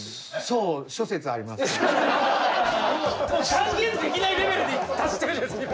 断言できないレベルに達しているじゃないですか。